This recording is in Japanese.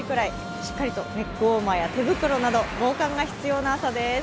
しっかりとネックウォーマーや手袋など防寒が必要な朝です。